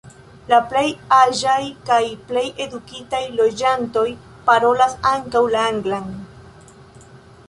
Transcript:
La plej aĝaj kaj plej edukitaj loĝantoj parolas ankaŭ la anglan.